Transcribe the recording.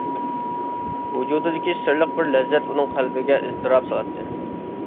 ۋۇجۇدىدىكى سىرلىق بىر لەززەت ئۇنىڭ قەلبىگە ئىزتىراپ سالاتتى.